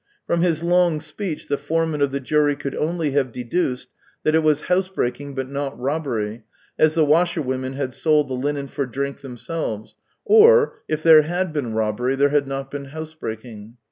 From his long speech the foreman of the jury could only have deduced " that it was house breaking but not robbery, as the washer women had sold the linen for drink themselves; or, if there had been robbery, there had not been house breaking."